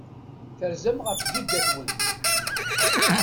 Terzam ɣef jida-twen.